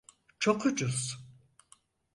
Çok ucuz.